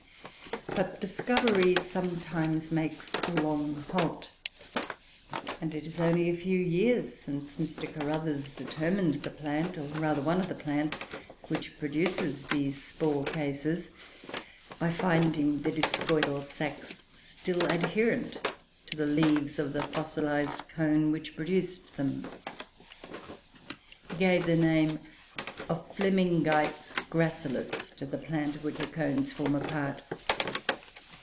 But discovery sometimes makes a long halt; and it is only a few years since Mr. Carruthers determined the plant (or rather one of the plants) which produces these spore cases, by finding the discoidal sacs still adherent to the leaves of the fossilized cone which produced them. He gave the name of Flemingites gracilis to the plant of which the cones form a part.